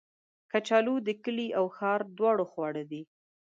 کچالو د کلي او ښار دواړو خواړه دي